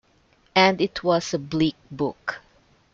And it was a bleak book.